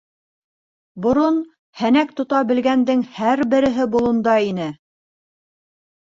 Борон һәнәк тота белгәндең һәр береһе болонда ине.